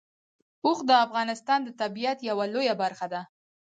اوښ د افغانستان د طبیعت یوه لویه برخه ده.